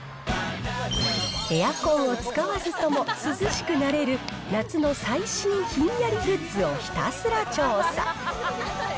エアコンを使わずとも涼しくなれる、夏の最新ひんやりグッズをひたすら調査。